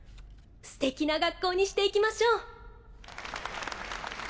ステキな学校にしていきましょう。